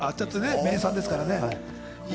名産ですからね。